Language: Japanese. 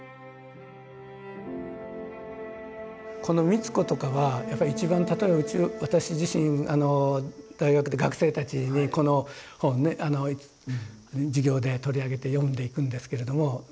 この美津子とかはやっぱり一番例えば私自身大学で学生たちにこの本ね授業で取り上げて読んでいくんですけれども。